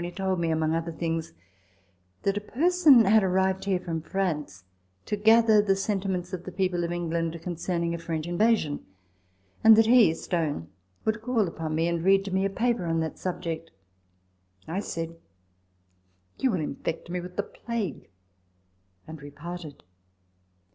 TABLE TALK OF SAMUEL ROGERS in told me, among other things, that a person had arrived here from France to gather the sentiments of the people of England concerning a French invasion ; and that he (Stone) would call upon me and read to me a paper on that subject. I said, " You will infect me with the plague "; and we parted.